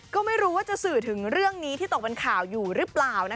ก็ไม่รู้ว่าจะสื่อถึงเรื่องนี้ที่ตกเป็นข่าวอยู่หรือเปล่า